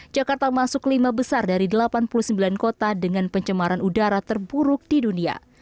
jakarta masuk lima besar dari delapan puluh sembilan kota dengan pencemaran udara terburuk di dunia